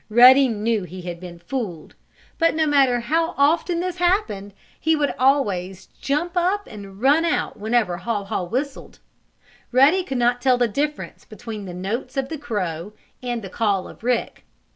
Ruddy knew he had been fooled. But, no matter how often this happened, he would always jump up and run out whenever Haw Haw whistled. Ruddy could not tell the difference between the notes of the crow and the call of Rick.